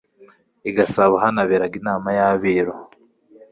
I Gasabo hanaberaga inama y'Abiru